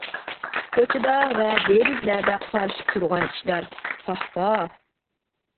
كوچىدا ۋە دېرىزىلەردە قارىشىپ تۇرغان كىشىلەر: پاھ، پاھ!